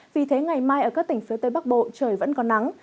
vì thế ngày mai ở các tỉnh phía tây bắc bộ trời vẫn có nắng